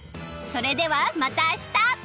それではまた明日！